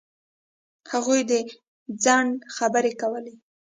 هغوی د ځنډ خبرې کولې.